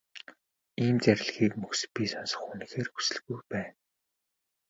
Ийм зарлигийг мөхөс би сонсох үнэхээр хүсэлгүй байна.